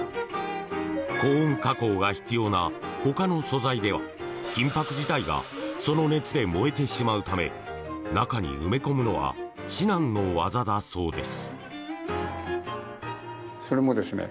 高温加工が必要なほかの素材では金箔自体がその熱で燃えてしまうため中に埋め込むのは至難の業だそうです。